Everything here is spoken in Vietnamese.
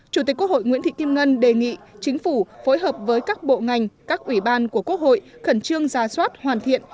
chủ tịch quốc hội nguyễn thị kim ngân đề nghị chính phủ phối hợp với các bộ ngành các ủy ban của quốc hội khẩn trương ra soát hoàn thiện